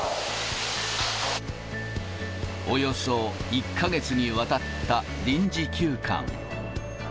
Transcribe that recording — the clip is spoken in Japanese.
およそ１か月にわたった臨時休館。